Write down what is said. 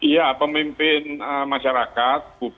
ya pemimpin masyarakat